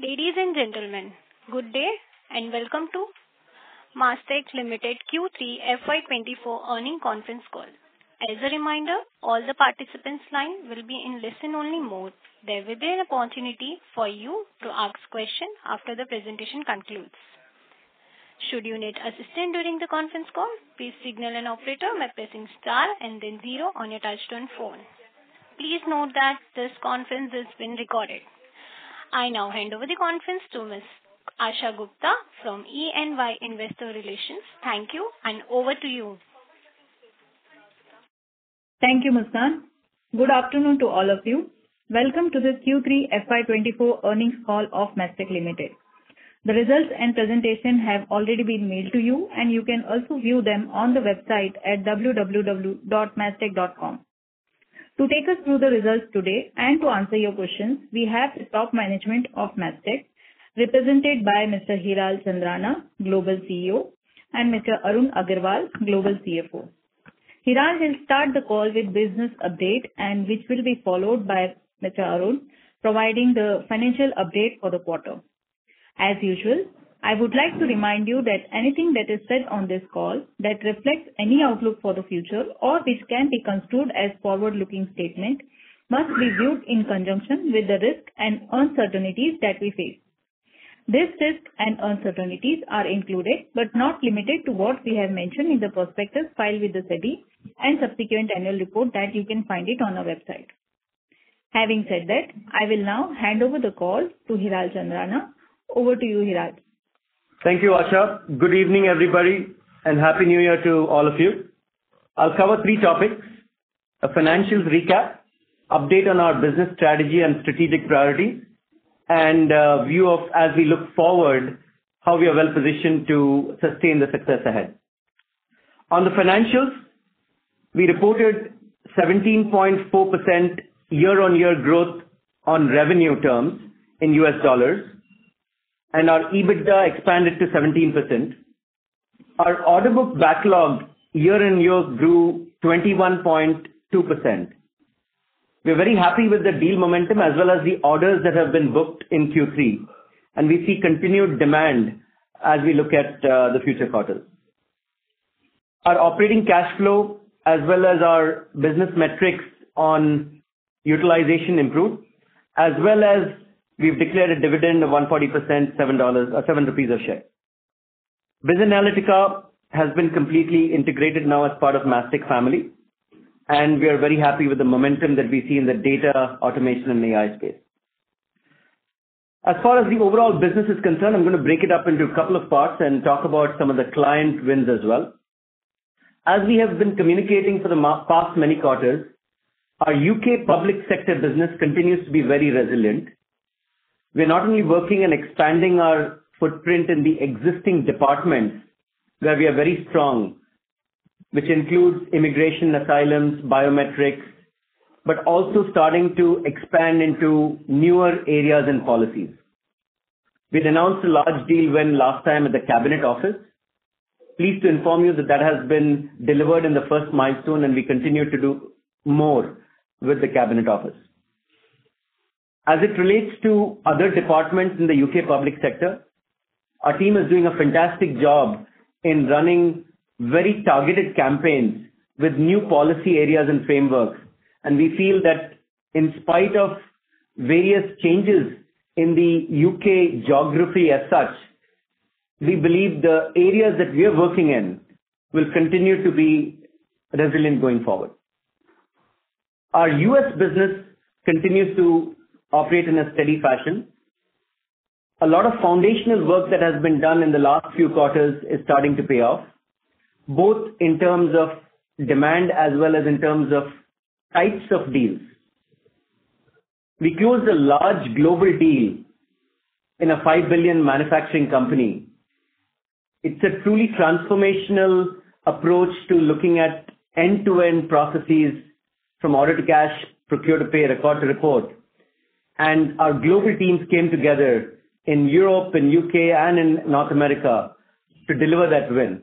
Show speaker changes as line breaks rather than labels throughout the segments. Ladies and gentlemen, good day, and welcome to Mastek Limited Q3 FY24 earnings conference call. As a reminder, all the participants' lines will be in listen-only mode. There will be an opportunity for you to ask questions after the presentation concludes. Should you need assistance during the conference call, please signal an operator by pressing star and then zero on your touchtone phone. Please note that this conference is being recorded. I now hand over the conference to Ms. Asha Gupta from EY Investor Relations. Thank you, and over to you.
Thank you, Muskaan. Good afternoon to all of you. Welcome to the Q3 FY24 earnings call of Mastek Limited. The results and presentation have already been mailed to you, and you can also view them on the website at www.mastek.com. To take us through the results today and to answer your questions, we have the top management of Mastek, represented by Mr. Hiral Chandrana, Global CEO, and Mr. Arun Agarwal, Global CFO. Hiral will start the call with business update, which will be followed by Mr. Arun providing the financial update for the quarter. As usual, I would like to remind you that anything that is said on this call that reflects any outlook for the future or which can be construed as forward-looking statement must be viewed in conjunction with the risks and uncertainties that we face. These risks and uncertainties are included, but not limited to, what we have mentioned in the prospectus filed with the SEBI and subsequent annual report that you can find it on our website. Having said that, I will now hand over the call to Hiral Chandrana. Over to you, Hiral.
Thank you, Asha. Good evening, everybody, and happy New Year to all of you. I'll cover three topics: a financials recap, update on our business strategy and strategic priorities, and view of as we look forward, how we are well-positioned to sustain the success ahead. On the financials, we reported 17.4% year-on-year growth on revenue terms in U.S. dollars, and our EBITDA expanded to 17%. Our order book backlog year-on-year grew 21.2%. We're very happy with the deal momentum as well as the orders that have been booked in Q3, and we see continued demand as we look at the future quarters. Our operating cash flow as well as our business metrics on utilization improved, as well as we've declared a dividend of 140%, $7... seven rupees a share. BizAnalytica has been completely integrated now as part of Mastek family, and we are very happy with the momentum that we see in the data automation and AI space. As far as the overall business is concerned, I'm gonna break it up into a couple of parts and talk about some of the client wins as well. As we have been communicating for the past many quarters, our U.K. public sector business continues to be very resilient. We are not only working and expanding our footprint in the existing departments, where we are very strong, which includes immigration, asylums, biometrics, but also starting to expand into newer areas and policies. We'd announced a large deal win last time at the Cabinet Office. Pleased to inform you that that has been delivered in the first milestone, and we continue to do more with the Cabinet Office. As it relates to other departments in the U.K. public sector, our team is doing a fantastic job in running very targeted campaigns with new policy areas and frameworks, and we feel that in spite of various changes in the U.K. geography as such, we believe the areas that we are working in will continue to be resilient going forward. Our U.S. business continues to operate in a steady fashion. A lot of foundational work that has been done in the last few quarters is starting to pay off, both in terms of demand as well as in terms of types of deals. We closed a large global deal in a $5 billion manufacturing company. It's a truly transformational approach to looking at end-to-end processes, from order to cash, procure to pay, record to report. Our global teams came together in Europe and U.K. and in North America to deliver that win.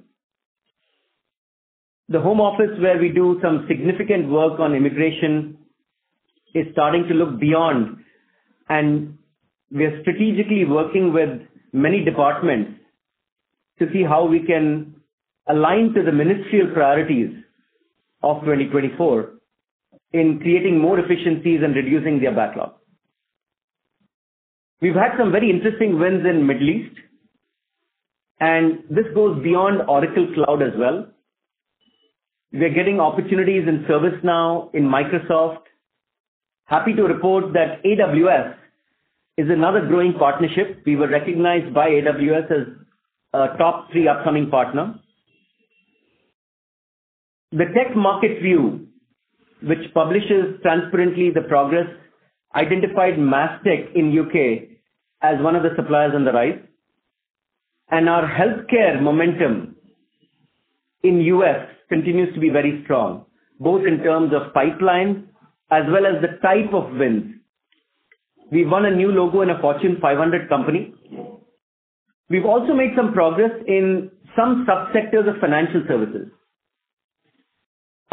The Home Office, where we do some significant work on immigration, is starting to look beyond, and we are strategically working with many departments to see how we can align to the ministerial priorities of 2024 in creating more efficiencies and reducing their backlog. We've had some very interesting wins in Middle East, and this goes beyond Oracle Cloud as well. We are getting opportunities in ServiceNow, in Microsoft. Happy to report that AWS is another growing partnership. We were recognized by AWS as a top three upcoming partner. The TechMarketView, which publishes transparently the progress, identified Mastek in the U.K. as one of the suppliers on the rise, and our healthcare momentum in the U.S. continues to be very strong, both in terms of pipeline as well as the type of wins. We've won a new logo in a Fortune 500 company. We've also made some progress in some subsectors of financial services...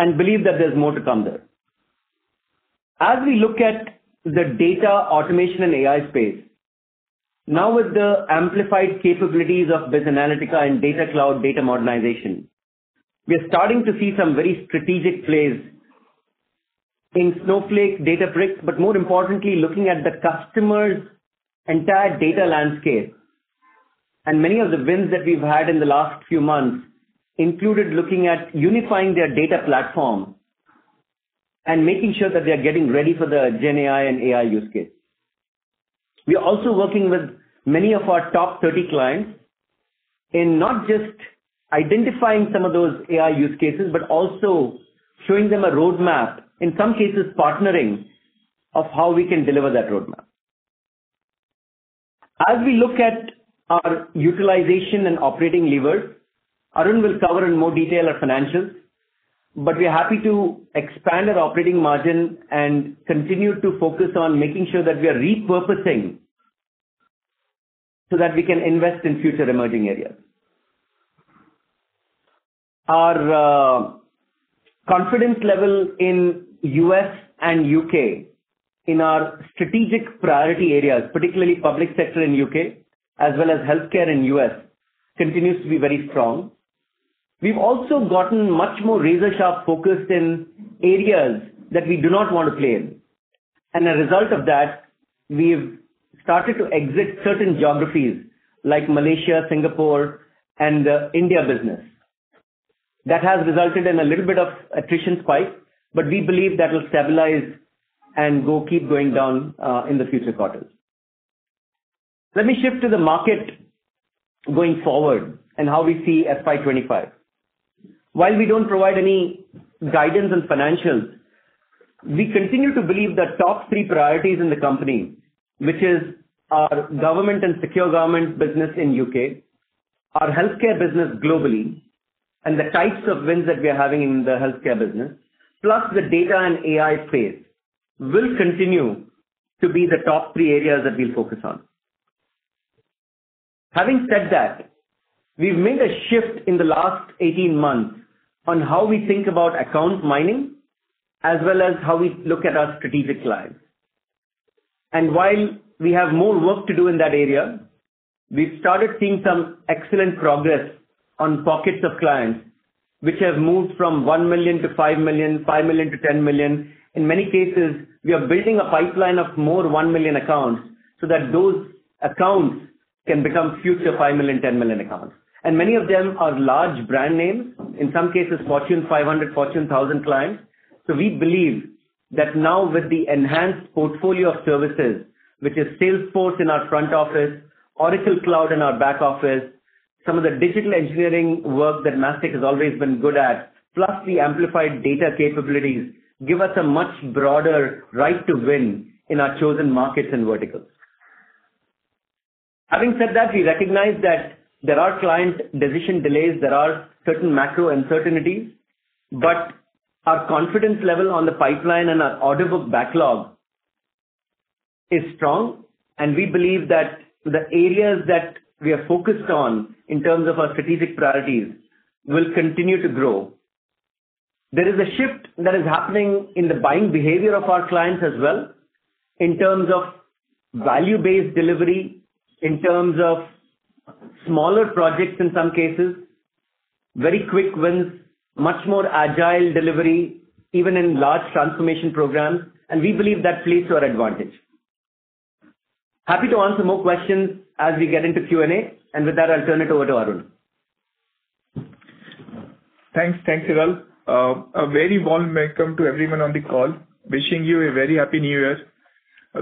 and believe that there's more to come there. As we look at the data automation and AI space, now with the amplified capabilities of BizAnalytica and Data Cloud data modernization, we are starting to see some very strategic plays in Snowflake, Databricks, but more importantly, looking at the customer's entire data landscape. Many of the wins that we've had in the last few months included looking at unifying their data platform and making sure that they are getting ready for the Gen AI and AI use case. We are also working with many of our top 30 clients in not just identifying some of those AI use case, but also showing them a roadmap, in some cases partnering, of how we can deliver that roadmap. As we look at our utilization and operating lever, Arun will cover in more detail our financials. But we are happy to expand our operating margin and continue to focus on making sure that we are repurposing, so that we can invest in future emerging areas. Our confidence level in U.S. and U.K. in our strategic priority areas, particularly public sector in U.K. as well as healthcare in U.S., continues to be very strong. We've also gotten much more razor-sharp focused in areas that we do not want to play in, and a result of that, we've started to exit certain geographies like Malaysia, Singapore, and the India business. That has resulted in a little bit of attrition spike, but we believe that will stabilize and keep going down in the future quarters. Let me shift to the market going forward and how we see FY 25. While we don't provide any guidance on financials, we continue to believe that top three priorities in the company, which is our government and secure government business in U.K., our healthcare business globally, and the types of wins that we are having in the healthcare business, plus the data and AI space, will continue to be the top three areas that we'll focus on. Having said that, we've made a shift in the last 18 months on how we think about account mining, as well as how we look at our strategic clients. While we have more work to do in that area, we've started seeing some excellent progress on pockets of clients, which have moved from $1 million to $5 million, $5 million to $10 million. In many cases, we are building a pipeline of more $1 million accounts so that those accounts can become future $5 million, $10 million accounts. Many of them are large brand names, in some cases, Fortune 500, Fortune 1,000 clients. So we believe that now with the enhanced portfolio of services, which is Salesforce in our front office, Oracle Cloud in our back office, some of the digital engineering work that Mastek has always been good at, plus the amplified data capabilities, give us a much broader right to win in our chosen markets and verticals. Having said that, we recognize that there are client decision delays, there are certain macro uncertainties, but our confidence level on the pipeline and our order book backlog is strong, and we believe that the areas that we are focused on in terms of our strategic priorities will continue to grow. There is a shift that is happening in the buying behavior of our clients as well, in terms of value-based delivery, in terms of smaller projects, in some cases, very quick wins, much more agile delivery, even in large transformation programs, and we believe that plays to our advantage. Happy to answer more questions as we get into Q&A, and with that, I'll turn it over to Arun.
Thanks. Thank you, Hiral. A very warm welcome to everyone on the call. Wishing you a very happy New Year.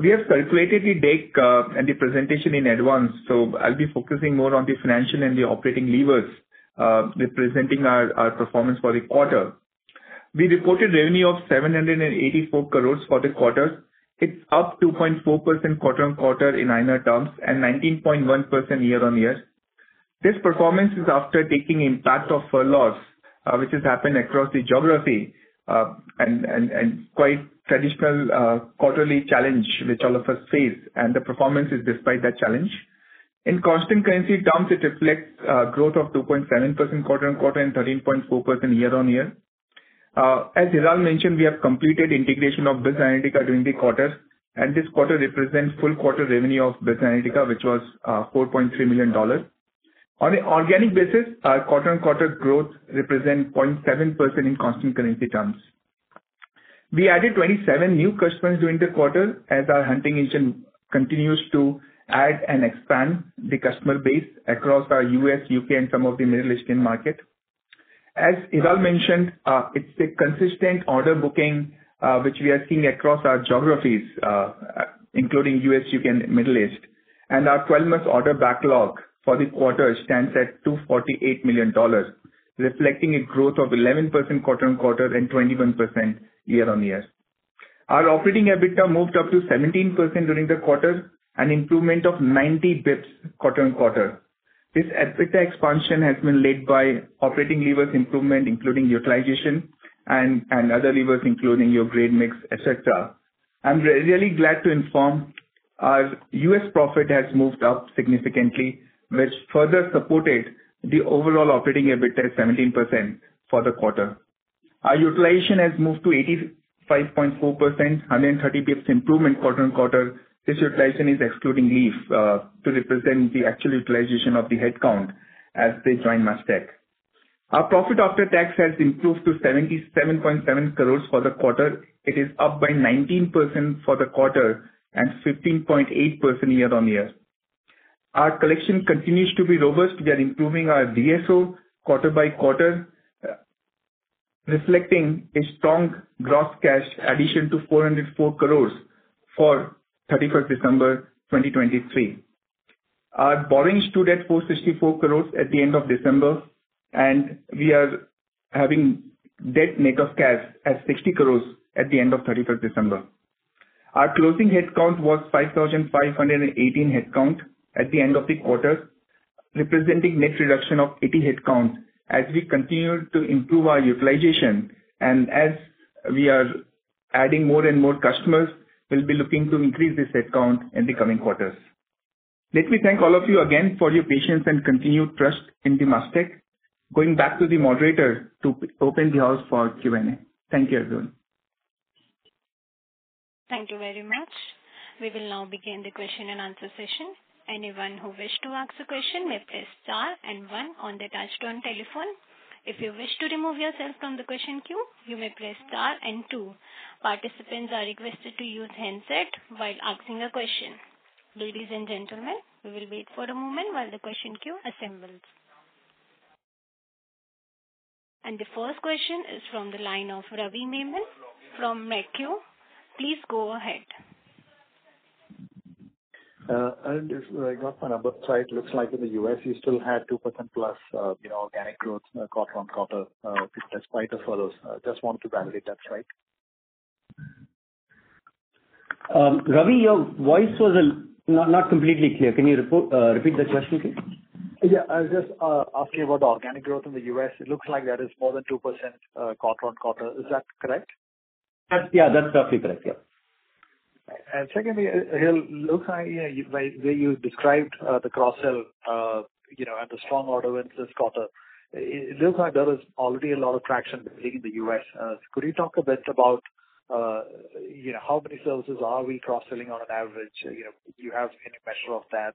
We have calculated the deck and the presentation in advance, so I'll be focusing more on the financial and the operating levers, representing our performance for the quarter. We reported revenue of 784 crore for the quarter. It's up 2.4% quarter-on-quarter in INR terms, and 19.1% year-on-year. This performance is after taking impact of furloughs, which has happened across the geography, and quite traditional quarterly challenge, which all of us face, and the performance is despite that challenge. In constant currency terms, it reflects growth of 2.7% quarter-on-quarter and 13.4% year-on-year. As Hiral mentioned, we have completed integration of BizAnalytica during the quarter, and this quarter represents full quarter revenue of BizAnalytica, which was $4.3 million. On an organic basis, our quarter-on-quarter growth represent 0.7% in constant currency terms. We added 27 new customers during the quarter, as our hunting engine continues to add and expand the customer base across our U.S., U.K., and some of the Middle Eastern market. As Hiral mentioned, it's a consistent order booking, which we are seeing across our geographies, including U.S., U.K., and Middle East. Our twelve-month order backlog for the quarter stands at $248 million, reflecting a growth of 11% quarter-on-quarter and 21% year-on-year. Our operating EBITDA moved up to 17% during the quarter, an improvement of 90 basis points quarter-on-quarter. This EBITDA expansion has been led by operating levers improvement, including utilization and other levers, including your grade mix, et cetera. I'm really glad to inform our U.S. profit has moved up significantly, which further supported the overall operating EBITDA 17% for the quarter. Our utilization has moved to 85.4%, 130 basis points improvement quarter-on-quarter. This utilization is excluding leave to represent the actual utilization of the headcount as they join Mastek. Our profit after tax has improved to 77.7 crores for the quarter. It is up by 19% for the quarter and 15.8% year-on-year. Our collection continues to be robust. We are improving our DSO quarter by quarter, reflecting a strong gross cash addition to 404 crores for 31st December 2023. Our borrowings stood at 464 crores at the end of December, and we are having debt net of cash at 60 crores at the end of 31st December. Our closing headcount was 5,518 headcount at the end of the quarter, representing net reduction of 80 headcount as we continue to improve our utilization. As we are adding more and more customers, we'll be looking to increase this headcount in the coming quarters. Let me thank all of you again for your patience and continued trust in the Mastek. Going back to the moderator to open the house for Q&A. Thank you, everyone.
Thank you very much. We will now begin the question and answer session. Anyone who wish to ask a question may press star and one on their touch-tone telephone. If you wish to remove yourself from the question queue, you may press star and two. Participants are requested to use handset while asking a question. Ladies and gentlemen, we will wait for a moment while the question queue assembles. The first question is from the line of Ravi Menon from Macquarie. Please go ahead.
If I got my numbers right, looks like in the U.S., you still had 2%+, you know, organic growth quarter-on-quarter, despite the furloughs. Just wanted to validate that, right?
Ravi, your voice was not completely clear. Can you repeat the question, please?
Yeah, I was just asking about the organic growth in the U.S. It looks like that is more than 2%, quarter-on-quarter. Is that correct?
That's... Yeah, that's roughly correct. Yeah.
And secondly, it looks like, you know, where, where you described the cross-sell, you know, and the strong order wins this quarter, it looks like there was already a lot of traction building in the U.S. Could you talk a bit about, you know, how many services are we cross-selling on an average? You know, do you have any measure of that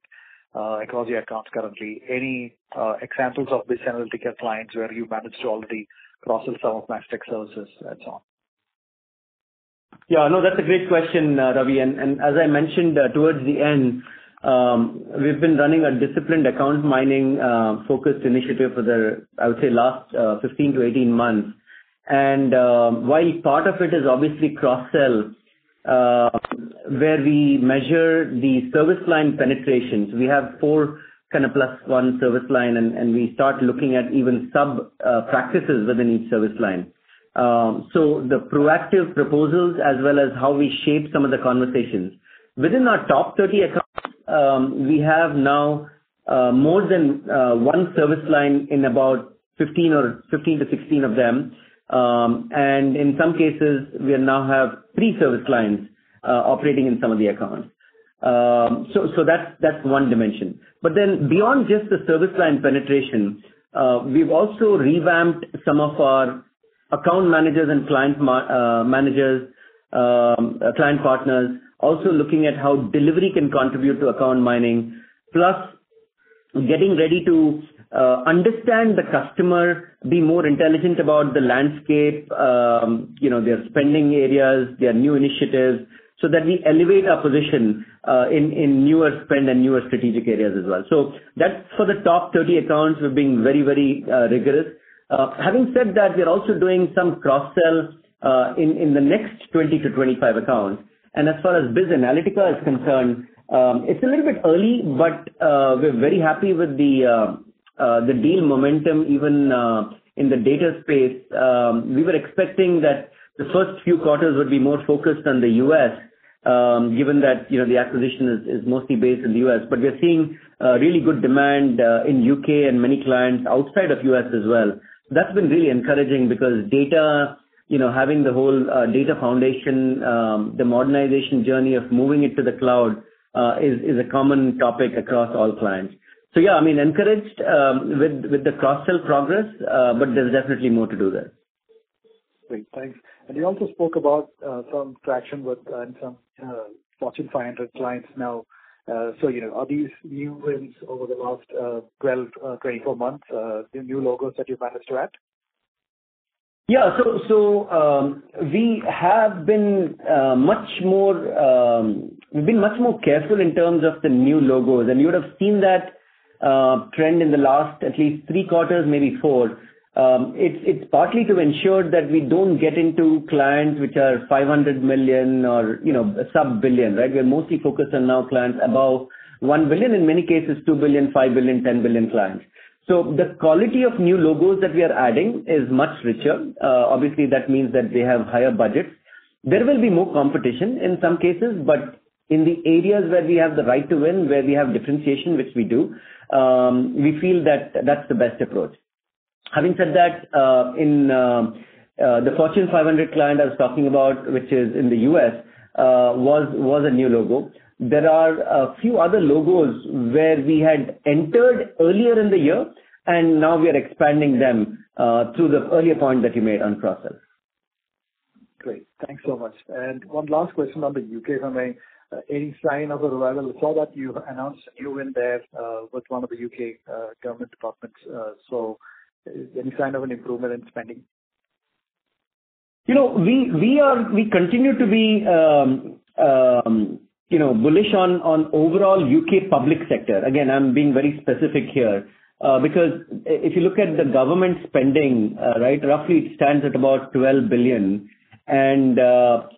across your accounts currently? Any examples of BizAnalytica clients where you managed to already cross-sell some of Mastek services at all?
Yeah, no, that's a great question, Ravi. And, and as I mentioned, towards the end, we've been running a disciplined account mining, focused initiative for the, I would say, last, 15-18 months. And, while part of it is obviously cross-sell, where we measure the service line penetration. So we have four kind of plus one service line, and, and we start looking at even sub, practices within each service line. So the proactive proposals, as well as how we shape some of the conversations. Within our top 30 accounts, we have now, more than, one service line in about 15 or 15-16 of them. And in some cases, we now have three service lines, operating in some of the accounts. So, so that's, that's one dimension. But then beyond just the service line penetration, we've also revamped some of our account managers and client managers, client partners, also looking at how delivery can contribute to account mining. Plus, getting ready to understand the customer, be more intelligent about the landscape, you know, their spending areas, their new initiatives, so that we elevate our position in newer spend and newer strategic areas as well. So that's for the top 30 accounts. We're being very, very rigorous. Having said that, we are also doing some cross-sell in the next 20-25 accounts. As far as BizAnalytica is concerned, it's a little bit early, but we're very happy with the deal momentum, even in the data space. We were expecting that the first few quarters would be more focused on the U.S., given that, you know, the acquisition is mostly based in the U.S., but we are seeing really good demand in U.K. and many clients outside of U.S. as well. That's been really encouraging because data, you know, having the whole data foundation, the modernization journey of moving it to the cloud, is a common topic across all clients. So yeah, I mean, encouraged with the cross-sell progress, but there's definitely more to do there.
Great, thanks. You also spoke about some traction with and some Fortune 500 clients now. So, you know, are these new wins over the last 12-24 months the new logos that you managed to add?
Yeah. So, we have been much more careful in terms of the new logos, and you would have seen that trend in the last at least 3 quarters, maybe 4. It's partly to ensure that we don't get into clients which are $500 million or, you know, sub-$1 billion, right? We are mostly focused on now clients above $1 billion, in many cases, $2 billion, $5 billion, $10 billion clients. So the quality of new logos that we are adding is much richer. Obviously, that means that they have higher budgets. There will be more competition in some cases, but in the areas where we have the right to win, where we have differentiation, which we do, we feel that that's the best approach. Having said that, the Fortune 500 client I was talking about, which is in the U.S., was a new logo. There are a few other logos where we had entered earlier in the year, and now we are expanding them to the earlier point that you made on process.
Great. Thanks so much. And one last question on the U.K., if I may. Any sign of a revival? We saw that you announced you win there, with one of the U.K. government departments. So any sign of an improvement in spending?
You know, we, we are—we continue to be, you know, bullish on overall U.K. public sector. Again, I'm being very specific here. Because if you look at the government spending, right, roughly it stands at about 12 billion. And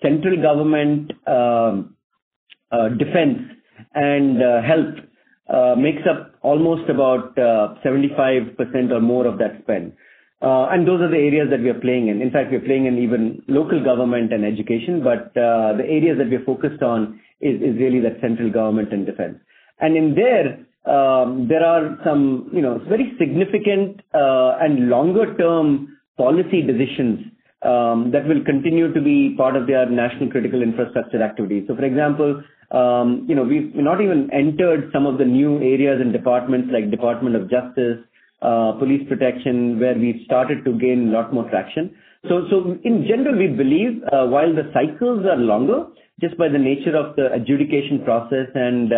central government, defense and health makes up almost about 75% or more of that spend. And those are the areas that we are playing in. In fact, we are playing in even local government and education. But the areas that we are focused on is really the central government and defense. And in there, there are some, you know, very significant and longer-term policy decisions that will continue to be part of their national critical infrastructure activity. So for example, you know, we've not even entered some of the new areas and departments like Department of Justice, Police Protection, where we've started to gain a lot more traction. So, so in general, we believe, while the cycles are longer, just by the nature of the adjudication process and,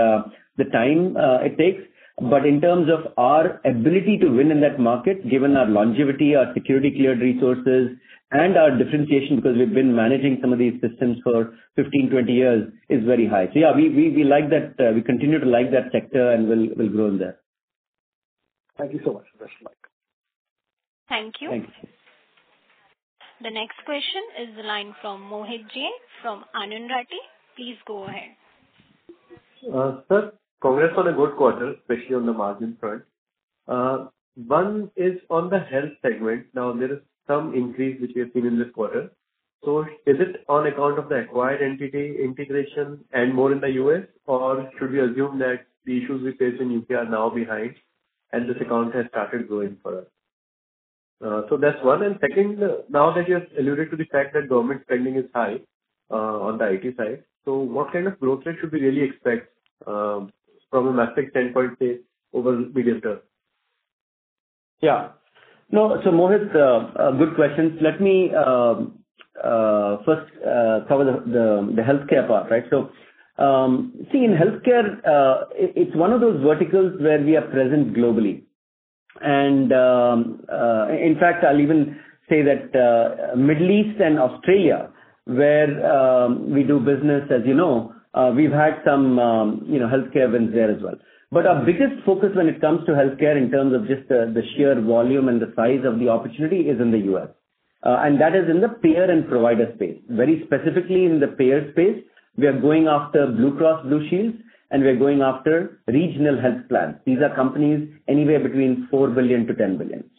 the time, it takes. But in terms of our ability to win in that market, given our longevity, our security cleared resources, and our differentiation, because we've been managing some of these systems for 15, 20 years, is very high. So yeah, we, we, we like that. We continue to like that sector and we'll, we'll grow in there.
Thank you so much.
Thank you.
Thank you.
The next question is the line from Mohit Jain from Anand Rathi. Please go ahead.
Sir, congrats on a good quarter, especially on the margin front. One is on the health segment. Now, there is some increase which we have seen in this quarter. So is it on account of the acquired entity integration and more in the U.S.? Or should we assume that the issues we faced in the U.K. are now behind, and this account has started growing for us? So that's one. And second, now that you have alluded to the fact that government spending is high, on the IT side, so what kind of growth rate should we really expect, from a Mastek standpoint, say, over medium term?
Yeah. No, so, Mohit, good questions. Let me first cover the healthcare part, right? So, see, in healthcare, it's one of those verticals where we are present globally. And, in fact, I'll even say that, Middle East and Australia, where we do business, as you know, we've had some, you know, healthcare wins there as well. But our biggest focus when it comes to healthcare in terms of just the sheer volume and the size of the opportunity, is in the U.S. And that is in the payer and provider space. Very specifically in the payer space, we are going after Blue Cross Blue Shields, and we are going after regional health plans. These are companies anywhere between $4 billion-$10 billion.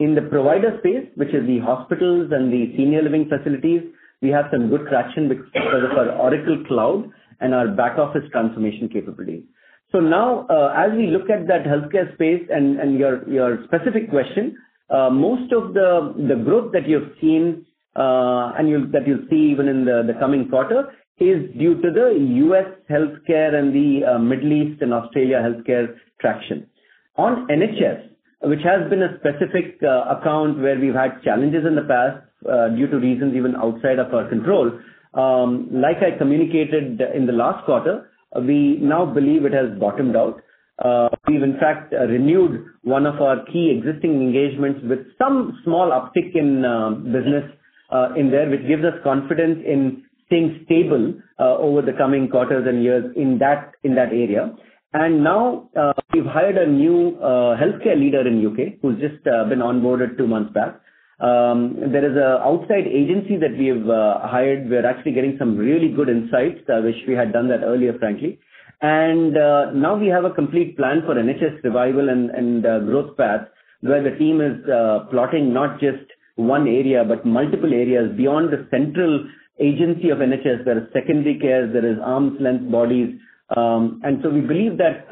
In the provider space, which is the hospitals and the senior living facilities, we have some good traction with our Oracle Cloud and our back office transformation capability. So now, as we look at that healthcare space and, and your, your specific question, most of the, the growth that you've seen, and you'll -- that you'll see even in the, the coming quarter, is due to the U.S. healthcare and the, Middle East and Australia healthcare traction. On NHS, which has been a specific, account where we've had challenges in the past, due to reasons even outside of our control. Like I communicated in the last quarter, we now believe it has bottomed out. We've in fact renewed one of our key existing engagements with some small uptick in business in there, which gives us confidence in staying stable over the coming quarters and years in that, in that area. Now we've hired a new healthcare leader in U.K., who's just been onboarded two months back. There is a outside agency that we have hired. We are actually getting some really good insights. I wish we had done that earlier, frankly. And now we have a complete plan for NHS revival and growth path, where the team is plotting not just one area, but multiple areas beyond the central agency of NHS. There is secondary care, there is arm's length bodies. And so we believe that,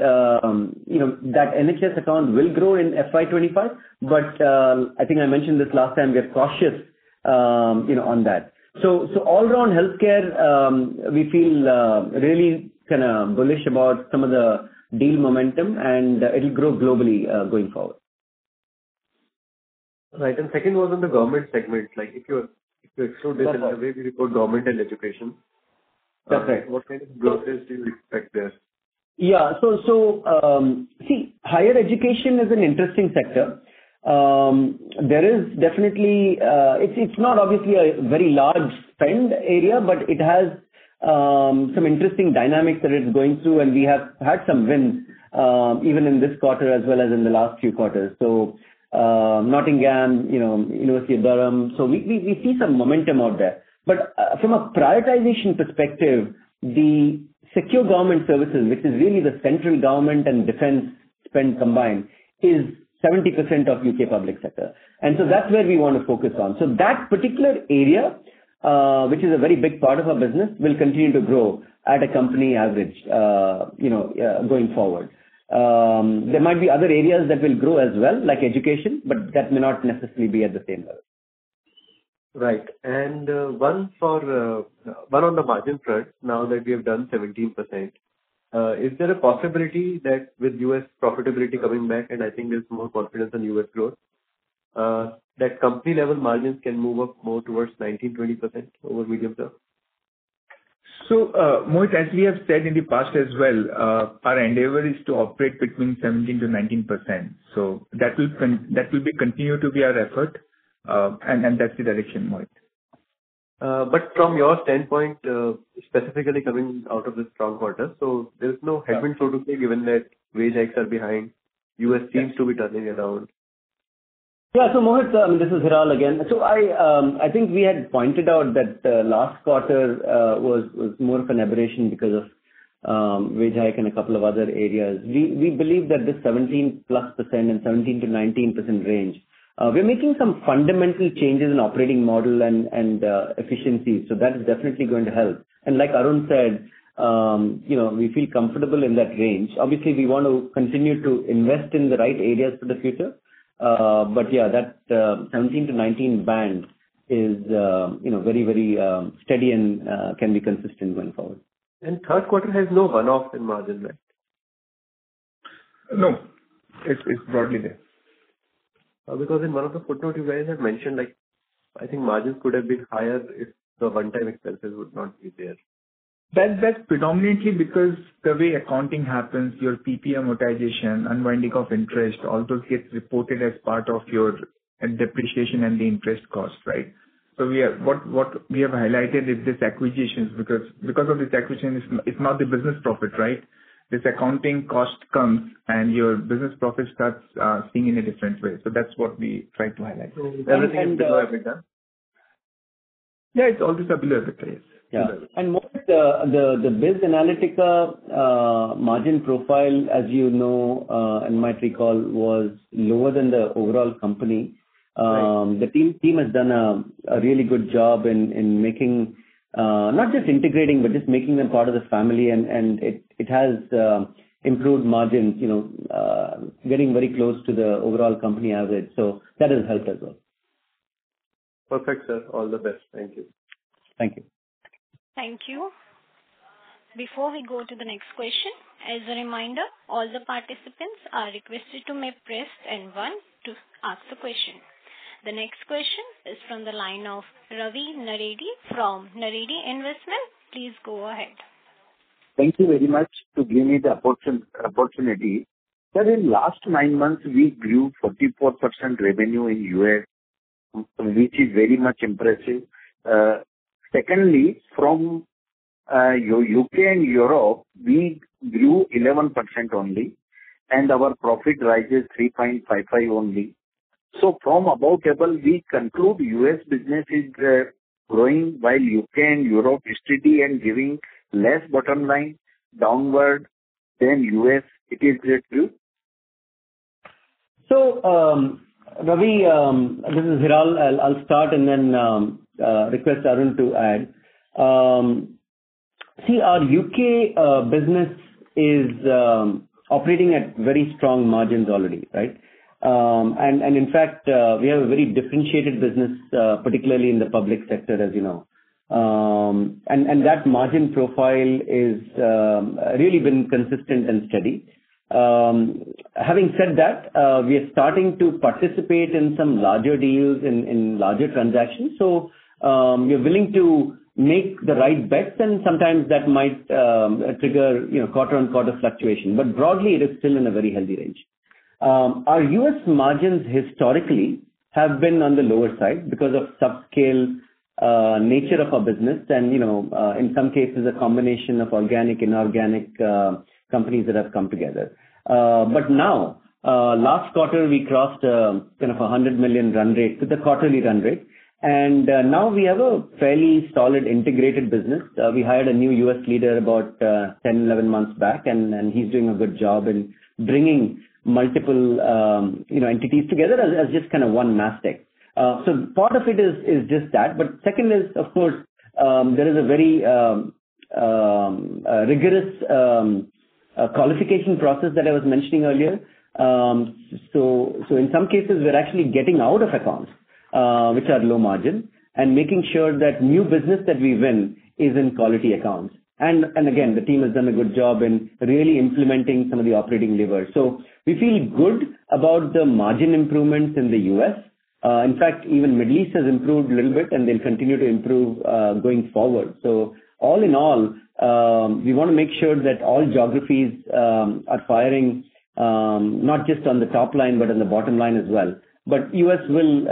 you know, that NHS account will grow in FY 2025, but, I think I mentioned this last time, we are cautious, you know, on that. So all around healthcare, we feel really kind of bullish about some of the deal momentum, and it'll grow globally going forward.
Right. And second was on the government segment, like if you exclude this, the way we report government and education.
That's right.
What kind of growth rates do you expect there?
Yeah. So, see, higher education is an interesting sector. There is definitely... It's not obviously a very large spend area, but it has some interesting dynamics that it's going through, and we have had some wins, even in this quarter as well as in the last few quarters. So, University of Nottingham, you know, University of Durham, so we see some momentum out there. But, from a prioritization perspective, the secure government services, which is really the central government and defense spend combined, is 70% of U.K. public sector, and so that's where we want to focus on. So that particular area, which is a very big part of our business, will continue to grow at a company average, you know, going forward. There might be other areas that will grow as well, like education, but that may not necessarily be at the same level.
Right. And, one for, one on the margin front, now that we have done 17%, is there a possibility that with U.S. profitability coming back, and I think there's more confidence in U.S. growth, that company-level margins can move up more towards 19%-20% over medium term?
So, Mohit, as we have said in the past as well, our endeavor is to operate between 17%-19%. So that will continue to be our effort, and that's the direction, Mohit.
But from your standpoint, specifically coming out of this strong quarter, so there's no headwind though given that wage hikes are behind, U.S. seems to be turning around.
Yeah. So Mohit, this is Hiral again. So I think we had pointed out that the last quarter was more of an aberration because of wage hike and a couple of other areas. We believe that this 17%+ and 17%-19% range. We're making some fundamental changes in operating model and efficiency, so that is definitely going to help. And like Arun said, you know, we feel comfortable in that range. Obviously, we want to continue to invest in the right areas for the future. But yeah, that 17%-19% band is, you know, very, very steady and can be consistent going forward.
Third quarter has no one-off in margin, right?
No, it's broadly there.
Because in one of the footnote you guys had mentioned, like, I think margins could have been higher if the one-time expenses would not be there.
That's predominantly because the way accounting happens, your PP amortization, unwinding of interest, all those gets reported as part of your depreciation and the interest cost, right? So what we have highlighted is this acquisition, because of this acquisition, it's not the business profit, right? This accounting cost comes and your business profit starts seeing in a different way. So that's what we try to highlight.
And, uh-
Yeah, it's all just below everything.
Yes.
Yeah. And Mohit, the BizAnalytica margin profile, as you know, and might recall, was lower than the overall company.
Right.
The team has done a really good job in making, not just integrating, but just making them part of the family, and it has improved margins, you know, getting very close to the overall company average. So that has helped as well.
Perfect, sir. All the best. Thank you.
Thank you.
Thank you. Before we go to the next question, as a reminder, all the participants are requested to press star one to ask the question. The next question is from the line of Ravi Naredi from Naredi Investments. Please go ahead.
Thank you very much to give me the opportunity. But in last nine months, we grew 44% revenue in U.S., which is very much impressive. Secondly, from U.K. and Europe, we grew 11% only, and our profit rises 3.55 only. So from about table, we conclude U.S. business is growing, while U.K. and Europe is steady and giving less bottom line downward than U.S. It is true?
So, Ravi, this is Hiral. I'll start and then request Arun to add. See, our U.K. business is operating at very strong margins already, right? And in fact, we have a very differentiated business, particularly in the public sector, as you know. And that margin profile is really been consistent and steady. Having said that, we are starting to participate in some larger deals in larger transactions. So, we are willing to make the right bets, and sometimes that might trigger, you know, quarter-on-quarter fluctuation. But broadly, it is still in a very healthy range. Our U.S. margins historically have been on the lower side because of subscale nature of our business and, you know, in some cases a combination of organic, inorganic companies that have come together. But now, last quarter, we crossed kind of a $100 million run rate, so the quarterly run rate, and now we have a fairly solid integrated business. We hired a new U.S. leader about 10-11 months back, and he's doing a good job in bringing multiple, you know, entities together as just kind of one Mastek. So part of it is just that. But second is, of course, there is a very rigorous qualification process that I was mentioning earlier. So, in some cases, we're actually getting out of accounts, which are low margin, and making sure that new business that we win is in quality accounts. And again, the team has done a good job in really implementing some of the operating levers. So we feel good about the margin improvements in the U.S. In fact, even Middle East has improved a little bit, and they'll continue to improve going forward. So all in all, we wanna make sure that all geographies are firing, not just on the top line, but on the bottom line as well. But U.S. will,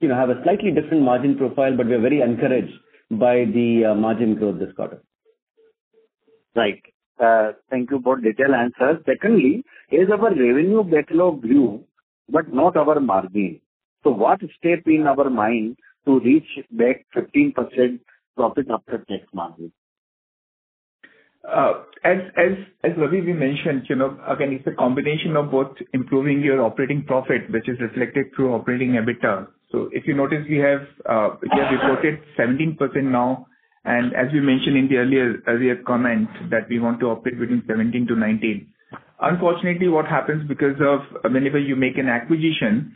you know, have a slightly different margin profile, but we're very encouraged by the margin growth this quarter.
Right. Thank you for detailed answers. Secondly, our revenue backlog grew, but not our margin. So what step in our mind to reach back 15% profit after tax margin?...
as Ravi, we mentioned, you know, again, it's a combination of both improving your operating profit, which is reflected through operating EBITDA. So if you notice, we have reported 17% now, and as we mentioned in the earlier comment, that we want to operate between 17%-19%. Unfortunately, what happens because of whenever you make an acquisition,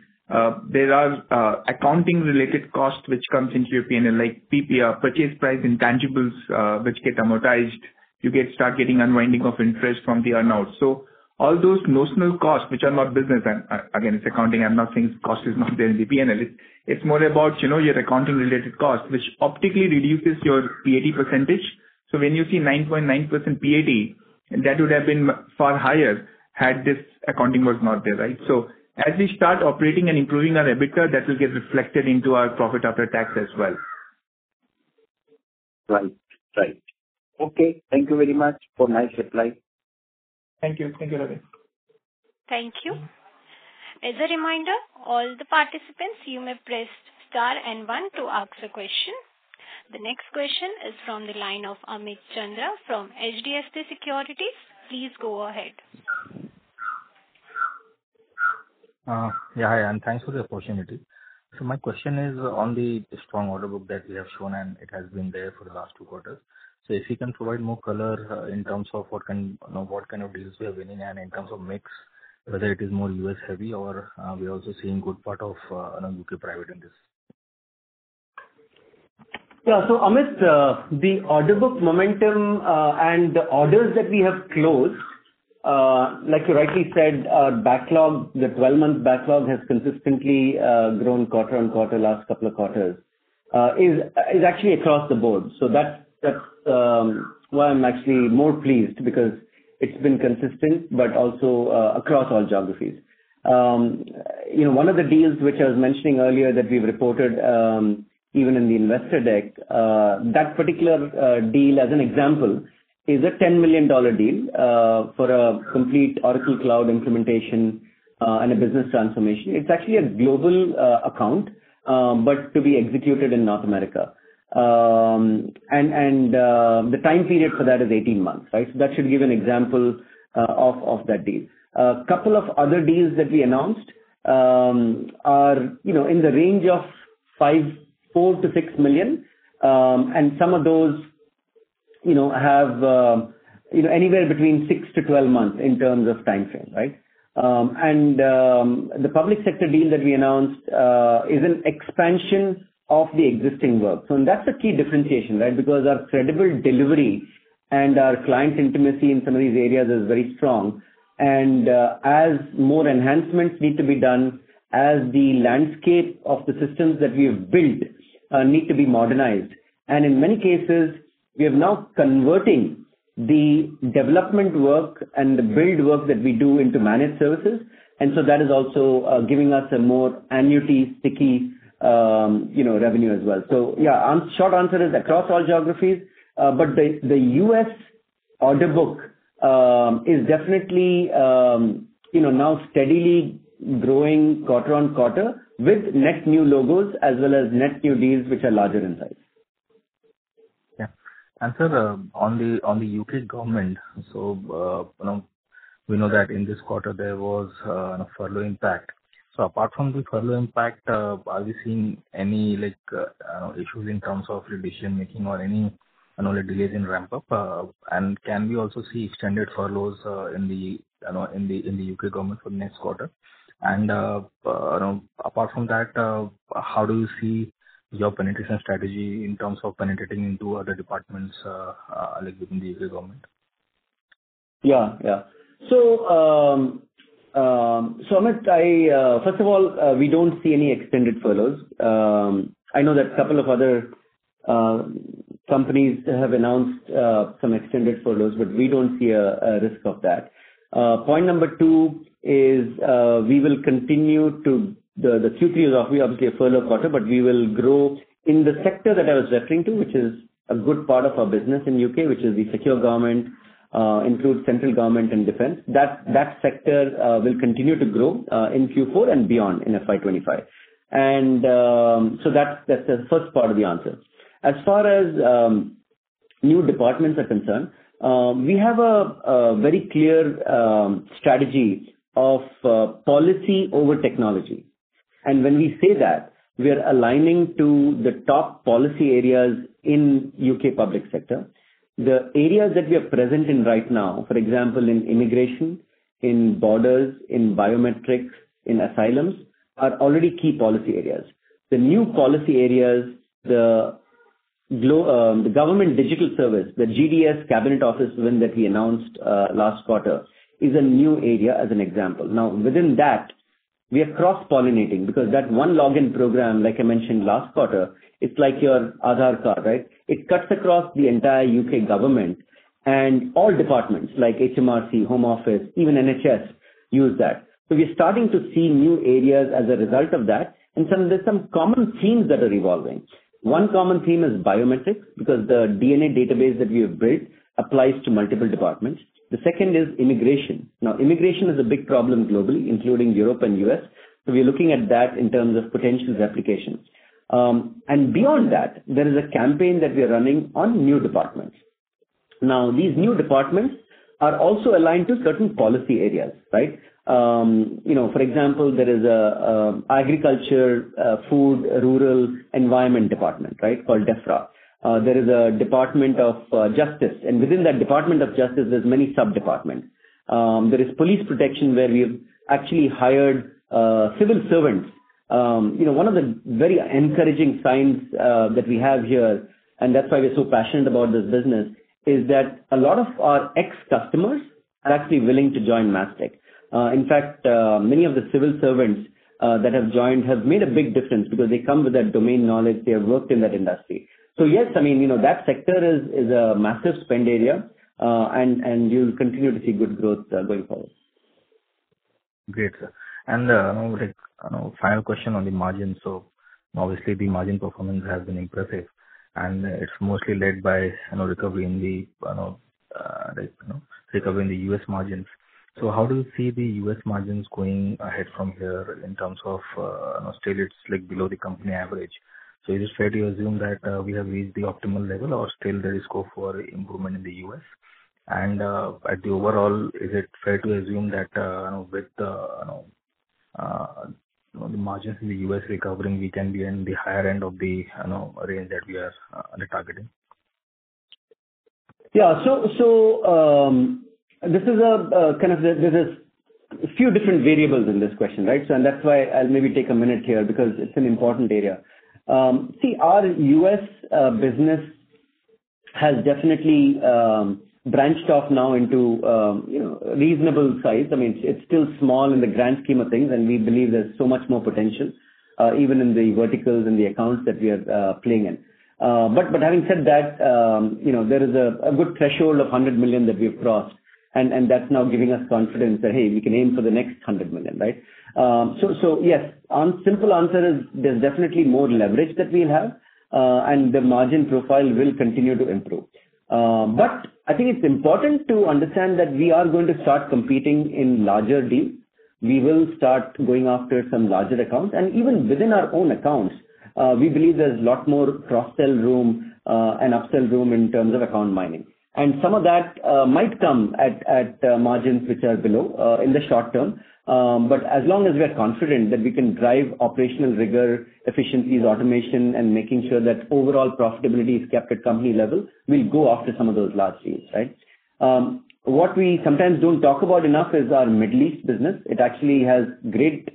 there are accounting-related costs which comes into your P&L, like PPI, purchase price intangibles, which get amortized. You start getting unwinding of interest from the earn-out. So all those notional costs, which are not business item. Again, it's accounting. I'm not saying cost is not there in the P&L. It's more about, you know, your accounting-related costs, which optically reduces your PAT percentage. So when you see 9.9% PAT, that would have been far higher had this accounting was not there, right? So as we start operating and improving our EBITDA, that will get reflected into our profit after tax as well.
Right. Right. Okay, thank you very much for nice reply.
Thank you. Thank you, Ravi.
Thank you. As a reminder, all the participants, you may press star and one to ask a question. The next question is from the line of Amit Chandra from HDFC Securities. Please go ahead.
Yeah, hi, and thanks for the opportunity. So my question is on the strong order book that we have shown, and it has been there for the last two quarters. So if you can provide more color in terms of what can... You know, what kind of business we are winning and in terms of mix, whether it is more U.S.-heavy or we are also seeing good part of you know, U.K. private in this.
Yeah. So, Amit, the order book momentum and the orders that we have closed, like you rightly said, our backlog, the 12-month backlog has consistently grown quarter on quarter, last couple of quarters, is actually across the board. So that's why I'm actually more pleased, because it's been consistent, but also across all geographies. You know, one of the deals which I was mentioning earlier that we've reported, even in the investor deck, that particular deal, as an example, is a $10 million deal for a complete Oracle Cloud implementation and a business transformation. It's actually a global account, but to be executed in North America. And the time period for that is 18 months, right? So that should give an example of that deal. A couple of other deals that we announced, are, you know, in the range of $4 million-$6 million. And some of those, you know, have, you know, anywhere between 6-12 months in terms of timeframe, right? And, the public sector deal that we announced, is an expansion of the existing work. So that's a key differentiation, right? Because our credible delivery and our client intimacy in some of these areas is very strong. And, as more enhancements need to be done, as the landscape of the systems that we have built, need to be modernized, and in many cases, we are now converting the development work and the build work that we do into managed services. And so that is also, giving us a more annuity, sticky, you know, revenue as well. So yeah, short answer is across all geographies. But the U.S. order book is definitely, you know, now steadily growing quarter-over-quarter with net new logos as well as net new deals, which are larger in size.
Yeah. And sir, on the U.K. government, so, you know, we know that in this quarter there was a furlough impact. So apart from the furlough impact, are we seeing any, like, issues in terms of decision-making or any, you know, delays in ramp up? And can we also see extended furloughs in the, you know, in the U.K. government for next quarter? And apart from that, how do you see your penetration strategy in terms of penetrating into other departments, like within the U.K. government?
Yeah. Yeah. So, Amit, I... First of all, we don't see any extended furloughs. I know that a couple of other companies have announced some extended furloughs, but we don't see a risk of that. Point number two is, we will continue to... The Q3 is obviously a furlough quarter, but we will grow in the sector that I was referring to, which is a good part of our business in U.K., which is the secure government, includes central government and defense. That sector will continue to grow in Q4 and beyond in FY 25. And, so that's the first part of the answer. As far as new departments are concerned, we have a very clear strategy of policy over technology. When we say that, we are aligning to the top policy areas in U.K. public sector. The areas that we are present in right now, for example, in immigration, in borders, in biometrics, in asylums, are already key policy areas. The new policy areas, the Government Digital Service, the GDS Cabinet Office win that we announced last quarter, is a new area as an example. Now, within that, we are cross-pollinating, because that One Login program, like I mentioned last quarter, it's like your Aadhaar card, right? It cuts across the entire U.K. government and all departments, like HMRC, Home Office, even NHS, use that. So we're starting to see new areas as a result of that, and there's some common themes that are evolving. One common theme is biometrics, because the DNA database that we have built applies to multiple departments. The second is immigration. Now, immigration is a big problem globally, including Europe and U.S., so we're looking at that in terms of potential replication. And beyond that, there is a campaign that we are running on new departments. Now, these new departments are also aligned to certain policy areas, right? You know, for example, there is a agriculture, food, rural environment department, right? Called DEFRA. There is a Department of Justice, and within that Department of Justice, there's many sub-departments. There is police protection, where we've actually hired civil servants. You know, one of the very encouraging signs that we have here, and that's why we're so passionate about this business, is that a lot of our ex-customers are actually willing to join Mastek. In fact, many of the civil servants that have joined have made a big difference because they come with that domain knowledge. They have worked in that industry. So yes, I mean, you know, that sector is a massive spend area, and you'll continue to see good growth going forward.
Great, sir. And, like, you know, final question on the margins. So obviously, the margin performance has been impressive, and it's mostly led by, you know, recovery in the U.S. margins. So how do you see the U.S. margins going ahead from here in terms of, you know, still it's like below the company average. So is it fair to assume that, we have reached the optimal level or still there is scope for improvement in the U.S.? And, at the overall, is it fair to assume that, you know, with the, you know, the margins in the U.S. recovering, we can be in the higher end of the, you know, range that we are, retargeting?
Yeah. This is kind of the... There's a few different variables in this question, right? So that's why I'll maybe take a minute here, because it's an important area. See, our U.S. business has definitely branched off now into, you know, reasonable size. I mean, it's still small in the grand scheme of things, and we believe there's so much more potential even in the verticals and the accounts that we are playing in. But having said that, you know, there is a good threshold of $100 million that we've crossed, and that's now giving us confidence that, hey, we can aim for the next $100 million, right? So yes, simple answer is there's definitely more leverage that we'll have, and the margin profile will continue to improve. But I think it's important to understand that we are going to start competing in larger deals. We will start going after some larger accounts, and even within our own accounts, we believe there's a lot more cross-sell room, and upsell room in terms of account mining. Some of that might come at margins which are below in the short term. But as long as we are confident that we can drive operational rigor, efficiencies, automation, and making sure that overall profitability is kept at company level, we'll go after some of those large deals, right? What we sometimes don't talk about enough is our Middle East business. It actually has great,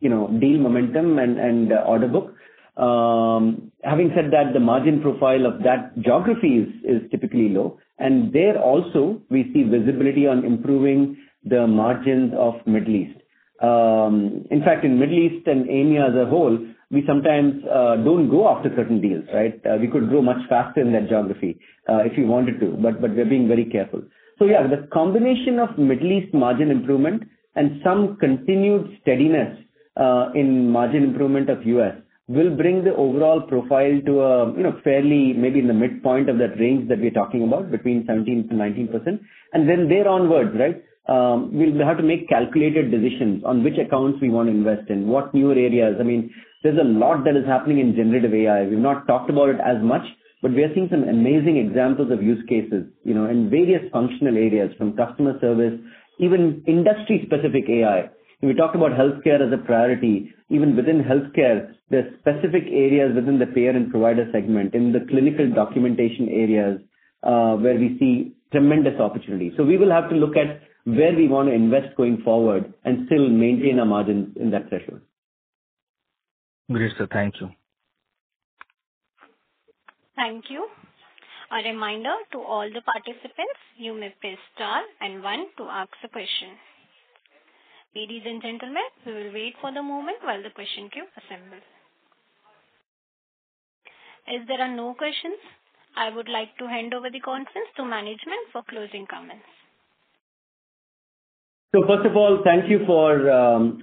you know, deal momentum and order book. Having said that, the margin profile of that geography is typically low, and there also, we see visibility on improving the margins of Middle East. In fact, in Middle East and EMEA as a whole, we sometimes don't go after certain deals, right? We could grow much faster in that geography, if we wanted to, but we're being very careful. So yeah, the combination of Middle East margin improvement and some continued steadiness in margin improvement of U.S., will bring the overall profile to, you know, fairly maybe in the midpoint of that range that we're talking about, between 17%-19%. And then there onwards, right, we'll have to make calculated decisions on which accounts we want to invest in, what newer areas. I mean, there's a lot that is happening in generative AI. We've not talked about it as much, but we are seeing some amazing examples of use cases, you know, in various functional areas from customer service, even industry-specific AI. We talked about healthcare as a priority. Even within healthcare, there's specific areas within the payer and provider segment, in the clinical documentation areas, where we see tremendous opportunity. So we will have to look at where we want to invest going forward and still maintain our margins in that threshold.
Great, sir. Thank you.
Thank you. A reminder to all the participants, you may press star and one to ask a question. Ladies and gentlemen, we will wait for the moment while the question queue assembles. As there are no questions, I would like to hand over the conference to management for closing comments.
So first of all, thank you for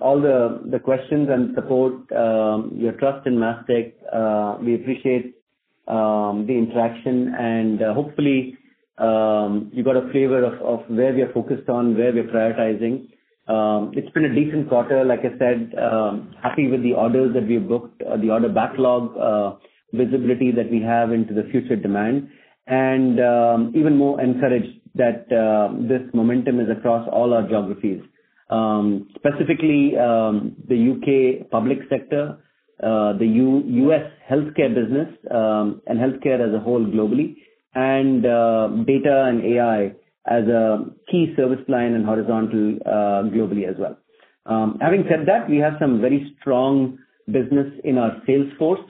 all the questions and support, your trust in Mastek. We appreciate the interaction and hopefully you got a flavor of where we are focused on, where we're prioritizing. It's been a decent quarter. Like I said, happy with the orders that we've booked, the order backlog, visibility that we have into the future demand, and even more encouraged that this momentum is across all our geographies. Specifically, the U.K. public sector, the U.S. healthcare business, and healthcare as a whole globally, and data and AI as a key service line and horizontal, globally as well. Having said that, we have some very strong business in our Salesforce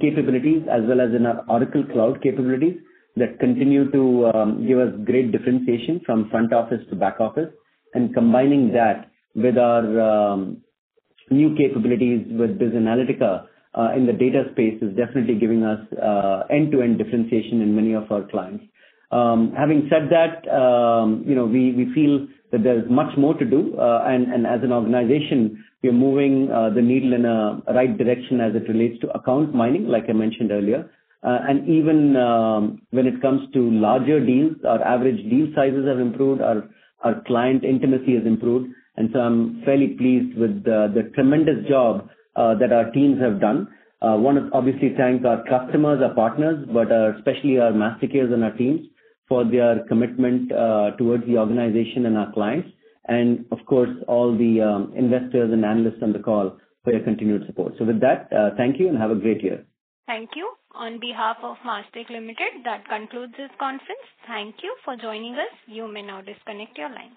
capabilities, as well as in our Oracle Cloud capabilities, that continue to give us great differentiation from front office to back office. And combining that with our new capabilities with BizAnalytica in the data space is definitely giving us end-to-end differentiation in many of our clients. Having said that, you know, we feel that there's much more to do, and as an organization, we are moving the needle in a right direction as it relates to account mining, like I mentioned earlier. And even when it comes to larger deals, our average deal sizes have improved, our client intimacy has improved, and so I'm fairly pleased with the tremendous job that our teams have done. Want to obviously thank our customers, our partners, but especially our Mastekeers and our teams for their commitment towards the organization and our clients, and of course, all the investors and analysts on the call for your continued support. So with that, thank you and have a great day.
Thank you. On behalf of Mastek Limited, that concludes this conference. Thank you for joining us. You may now disconnect your line.